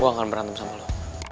gue akan berantem sama lo